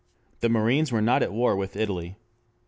The marines were not at war with Italy.